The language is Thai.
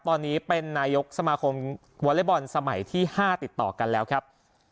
ตอนนี้เป็นนายกสมาคมวอเล็กบอลสมัยที่๕ติดต่อกันแล้วครับ